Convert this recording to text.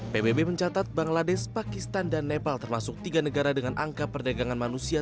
pbb mencatat bangladesh pakistan dan nepal termasuk tiga negara dengan angka perdagangan manusia